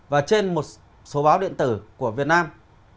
và trên một số báo điện tử của việt nam